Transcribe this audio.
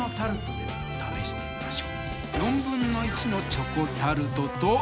チョコタルトと。